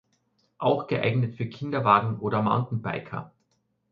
Auch geeignet für Kinderwagen oder Mountainbiker.